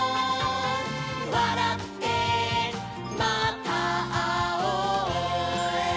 「わらってまたあおう」